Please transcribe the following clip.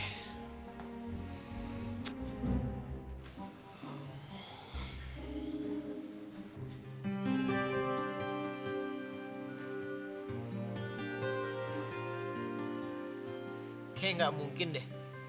kayaknya enggak mungkin deh